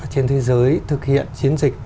trên thế giới thực hiện chiến dịch